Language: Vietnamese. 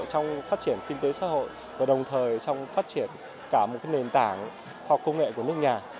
trong phát triển kinh tế xã hội và đồng thời trong phát triển cả một nền tảng khoa học công nghệ của nước nhà